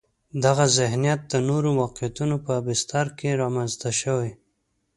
دغه ذهنیت د نورو واقعیتونو په بستر کې رامنځته شوی.